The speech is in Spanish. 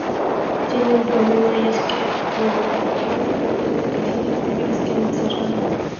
Tiene un problema, y es que el alfil blanco de casillas negras queda encerrado.